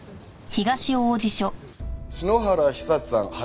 篠原久志さん